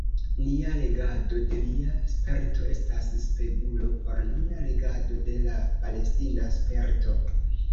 Nia legado de lia sperto estas spegulo por nia legado de la palestina sperto.